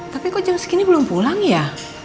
tapi kok jam segini belum pulang ya